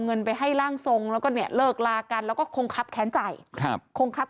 เงินไปให้ร่างทรงแล้วก็เนี่ยเลิกลากันแล้วก็คงครับแค้นใจครับคงครับ